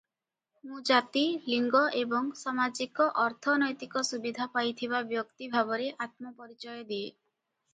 ମୁଁ ଜାତି, ଲିଙ୍ଗ ଏବଂ ସାମାଜିକ-ଅର୍ଥନୈତିକ ସୁବିଧା ପାଇଥିବା ବ୍ୟକ୍ତି ଭାବରେ ଆତ୍ମପରିଚୟ ଦିଏ ।